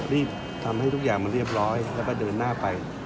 รีบทำให้ทุกอย่างมันเรียบร้อยแล้วก็เดินหน้าไป